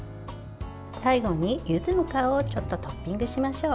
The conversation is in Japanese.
最後に、柚子の皮をちょっとトッピングしましょう。